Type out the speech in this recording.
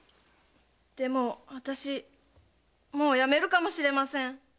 でもあたしもう辞めるかもしれません。